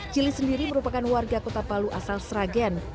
cili sendiri merupakan warga kota palu asal sragen